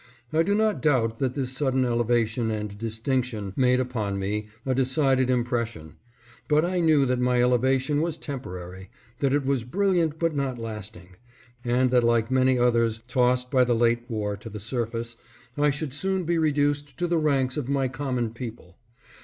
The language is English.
I do not doubt that this sudden elevation and distinction made upon me a decided impression. But I knew that my elevation was temporary ; that it was brilliant but not lasting ; and that like many others tossed by the late war to the surface, I should soon be reduced to the ranks of my common people.